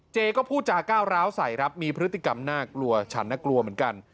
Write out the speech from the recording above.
เจก็พูดจาก้าวร้าวใส่ครับมีพฤติกรรมน่ากลัวฉันน่ากลัวเหมือนกัน